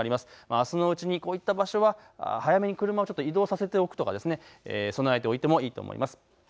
あすのうちにこういった場所は早めに車を移動させておくとか備えておいてもいいと思います。